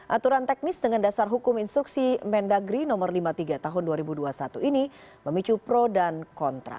aturan teknis dengan dasar hukum instruksi mendagri no lima puluh tiga tahun dua ribu dua puluh satu ini memicu pro dan kontra